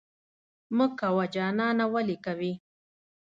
مه کوه جانانه ولې کوې؟